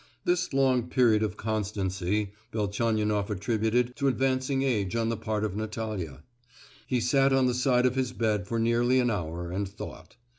This long period of constancy, Velchaninoff attributed to advancing age on the part of Natalia. He sat on the side of his bed for nearly an hour and thought.